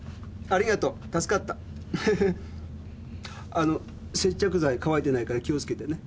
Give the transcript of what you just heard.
あの接着剤乾いてないから気を付けてね。